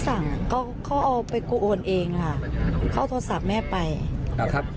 สั่งก็เขาเอาไปคุโอนเองล่ะเขาโทรศัพท์แม่ไปอ่ะครับ